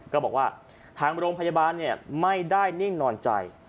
ก็บอกว่าทางโรงพยาบาลไม่ได้นิ่งนอนใจ